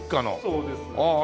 そうです。